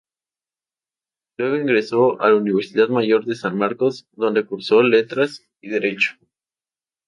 Luego ingresó a la Universidad Mayor de San Marcos, donde cursó Letras y Derecho.